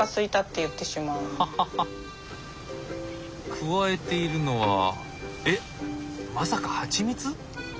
加えているのはえっまさかハチミツ？